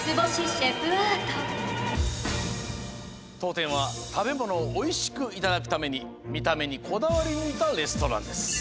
とうてんはたべものをおいしくいただくためにみためにこだわりぬいたレストランです。